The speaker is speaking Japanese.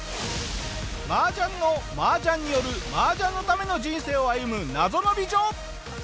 麻雀の麻雀による麻雀のための人生を歩む謎の美女！